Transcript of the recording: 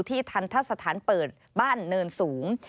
ทันทะสถานเปิดบ้านเนินสูง